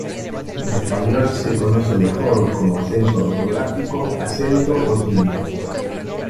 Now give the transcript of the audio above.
En español se conoce mejor como acento ortográfico, acento o tilde.